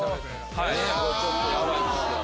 これちょっとヤバいですよ。